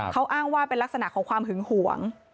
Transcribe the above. เขาอ้างว่าเป็นลักษณะของความหึงหวง